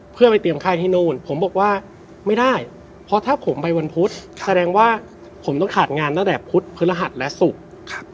เพื่อไปเตรียมค่ายที่นู่นผมบอกว่าไม่ได้เพราะถ้าผมไปวันพุธแสดงว่าผมต้องขาดงานตั้งแต่พุธพฤหัสและศุกร์